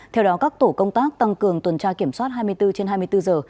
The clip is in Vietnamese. theo đó các tổ công tác tăng cường tuần tra kiểm soát hai mươi bốn trên hai mươi bốn giờ